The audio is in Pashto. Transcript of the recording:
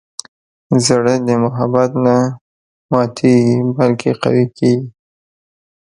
زړه د محبت نه ماتیږي، بلکې قوي کېږي.